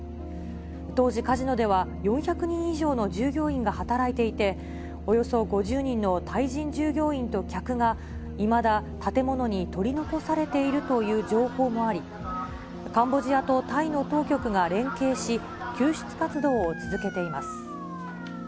当時、カジノでは４００人以上の従業員が働いていて、およそ５０人のタイ人従業員と客が、いまだ建物に取り残されているという情報もあり、カンボジアとタイの当局が連携し、救出活動を続けています。